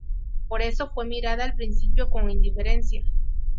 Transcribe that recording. Por eso fue mirada al principio con indiferencia.